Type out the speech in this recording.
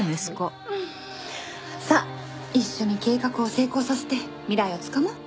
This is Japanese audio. さあ一緒に計画を成功させて未来をつかもう。